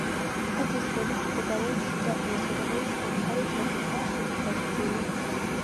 ტაძრის გვერდით მდებარეობს შიდა ეზო, რომელიც დამცავი კედლითაა შემოსაზღვრული.